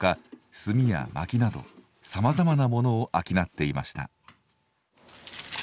炭や薪などさまざまなものを商っていました。